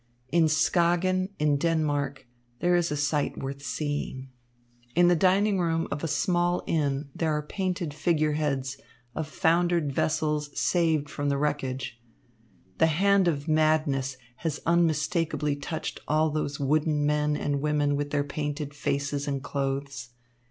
In Skagen in Denmark there is a sight worth seeing. In the dining room of a small inn there are painted figureheads of foundered vessels saved from the wreckage. The hand of madness has unmistakably touched all those wooden men and women with their painted faces and clothes.